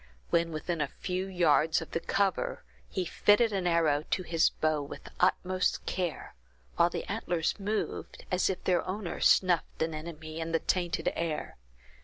When within a few yards of the cover, he fitted an arrow to his bow with the utmost care, while the antlers moved, as if their owner snuffed an enemy in the tainted air.